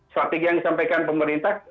strategi yang disampaikan pemerintah